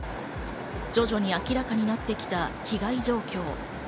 徐々に明らかになってきた被害状況。